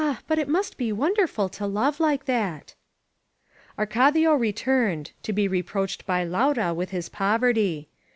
But it must be wonderful to love like that !" Arcadio returned, to be reproached by Laura with his poverty.